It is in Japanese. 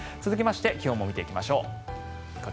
続きまして気温も見ていきましょう。